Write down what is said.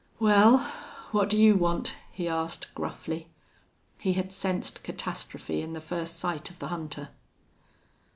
"Wal, what do you want?" he asked, gruffly. He had sensed catastrophe in the first sight of the hunter.